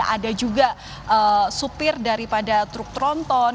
ada juga supir daripada truk tronton